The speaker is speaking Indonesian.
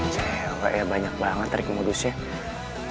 cewek ya banyak banget trik modusnya